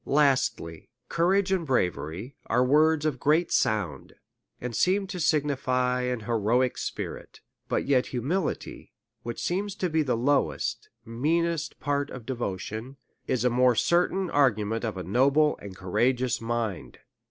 Lastly, Courage and bravery are words of a great sound, and seem to signify an heroic spirit ; but yet humility, which seems to be ihe lowest, meanest part of devotion, is a more certain argument of a noble and courageous mind.